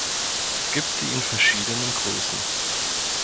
Es gibt sie in verschiedenen Größen.